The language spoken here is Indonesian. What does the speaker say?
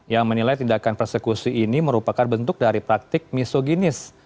yang menilai tindakan persekusi ini merupakan bentuk dari praktik misoginis